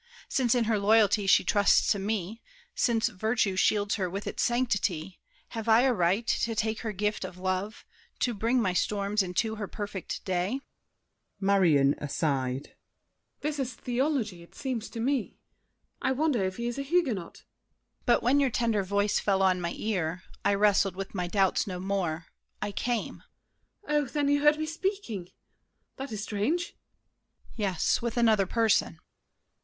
Since in her loyalty she trusts to me, Since virtue shields her with its sanctity, Have I a right to take her gift of love, To bring my storms into her perfect day?" MARION (aside). This is theology, it seems to me! I wonder if he is a Huguenot? DIDIER. But when your tender voice fell on my ear, I wrestled with my doubts no more—I came. MARION. Oh, then you heard me speaking—that is strange! DIDIER. Yes; with another person.